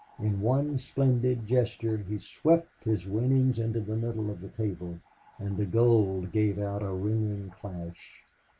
In one splendid gesture he swept his winnings into the middle of the table, and the gold gave out a ringing clash.